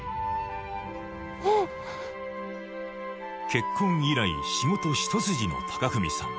結婚以来仕事一筋の隆文さん